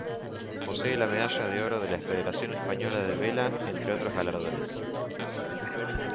Posee la medalla de oro de la Federación Española de Vela, entre otros galardones.